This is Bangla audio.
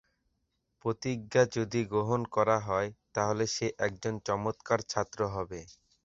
প্রতিজ্ঞা: যদি গ্রহণ করা হয়, তাহলে সে একজন চমৎকার ছাত্র হবে।